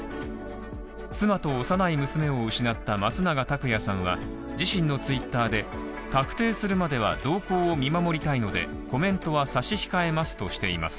妻と幼い娘を失った松永拓也さんは自身のツイッターで確定するまでは動向を見守りたいのでコメントは差し控えますとしています